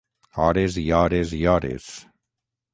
Hores i hores i hores.